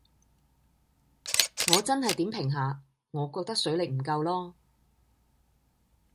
我真係點評下，我覺得水力唔夠囉